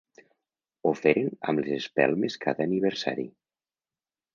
Ho feren amb les espelmes cada aniversari.